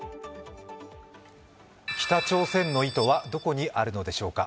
北朝鮮の意図はどこにあるのでしょうか。